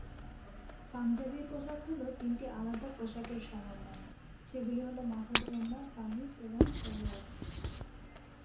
পাঞ্জাবি পোশাক হল তিনটি আলাদা পোশাকের সমন্বয়, সেগুলি হল মাথার ওড়না, কামিজ এবং সালোয়ার।